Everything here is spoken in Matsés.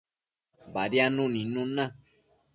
Badiadnuc nidnun na